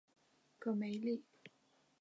戈梅利。